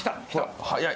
早い。